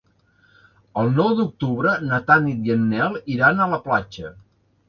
El nou d'octubre na Tanit i en Nel iran a la platja.